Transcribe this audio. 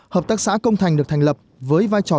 hợp tác xã công thành được thành lập với vai trò